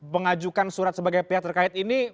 mengajukan surat sebagai pihak terkait ini